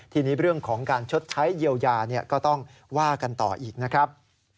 ทีนี้เรื่องของการชดใช้เยียวยาก็ต้องว่ากันต่ออีกนะครับ